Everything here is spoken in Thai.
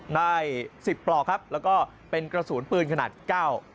ได้สิบปลอกครับแล้วก็เป็นกระสุนปืนขนาดเก้า